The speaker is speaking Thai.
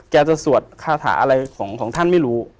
แกจะสวดคาถาอะไรของท่านไม่รู้